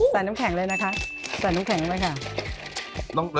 ใส่น้ำแข็งเลยนะคะใส่น้ำแข็งไปค่ะจุ๊บจุ๊บจุ๊บ